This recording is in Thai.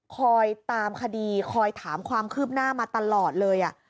คอยตามคดีคอยถามความคืบหน้ามาตลอดเลย